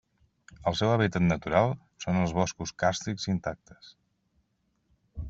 El seu hàbitat natural són els boscos càrstics intactes.